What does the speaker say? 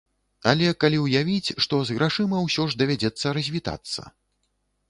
Але калі ўявіць, што з грашыма ўсё ж давядзецца развітацца?